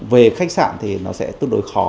về khách sạn thì nó sẽ tương đối khó